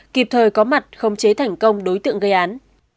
kịp thời có mặt khống chế thành công đối tượng gây án